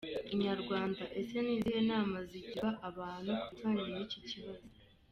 Inyarwanda: Ese ni izihe nama zigirwa abantu ku bijyanye n’iki kibazo?.